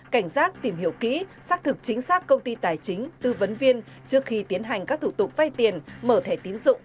cảnh giác tìm hiểu kỹ xác thực chính xác công ty tài chính tư vấn viên trước khi tiến hành các thủ tục vay tiền mở thẻ tín dụng